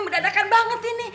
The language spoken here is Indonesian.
berdakan banget ini